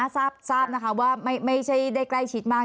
ทราบว่าไม่ได้ใกล้ชิดมาก